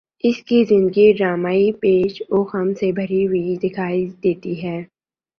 ان کی زندگی ڈرامائی پیچ و خم سے بھری ہوئی دکھائی دیتی ہے